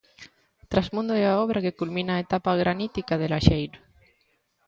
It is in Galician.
Trasmundo é a obra que culmina a etapa granítica de Laxeiro.